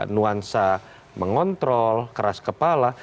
nuansa mengontrol keras kepala